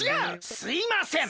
すいません。